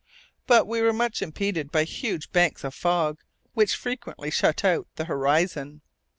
But we were much impeded by huge banks of fog which frequently shut out the horizon.